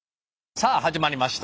さあ始まりました！